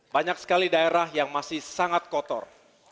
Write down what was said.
banyak sekali daerah yang masih sangat kotor